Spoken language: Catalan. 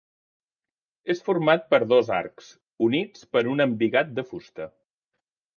És format per dos arcs, units per un embigat de fusta.